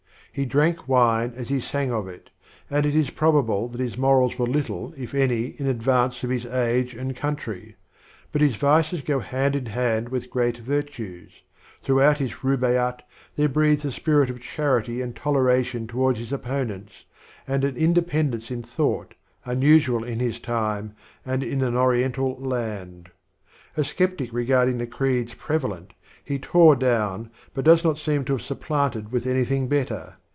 He drank wine as he sang of it, and it is probable that his morals were little, if anj% in advance of his age and country, but his vices go hand in hand with great virtues ; throughout his Rubdiydt there breathes a spirit of charity and toleration towards his opponents, and an independence in thought, unusual in his time and in an Oriental Introduction. land. A skeptic regarding the creeds prevalent, he tore down but does not seem to have supplanted with anj^thing better.